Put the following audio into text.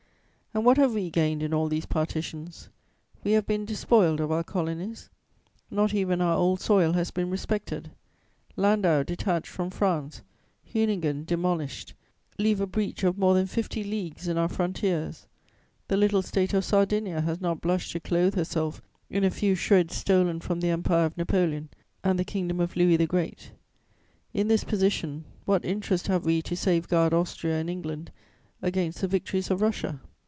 "And what have we gained in all these partitions? We have been despoiled of our colonies; not even our old soil has been respected: Landau detached from France, Hüningen demolished leave a breach of more than fifty leagues in our frontiers; the little State of Sardinia has not blushed to clothe herself in a few shreds stolen from the Empire of Napoleon and the Kingdom of Louis the Great. "In this position, what interest have we to safeguard Austria and England against the victories of Russia?